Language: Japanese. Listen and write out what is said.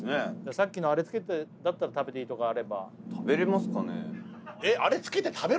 さっきのアレつけてだったら食べていいとかあれば食べれますかね